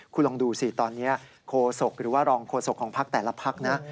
คุณลองดูสิตอนนี้โคศกหรือว่ารองโฆษกของพักแต่ละพักนะ